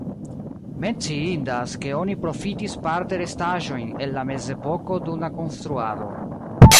Menciindas, ke oni profitis parte restaĵojn el la mezepoko dum la konstruado.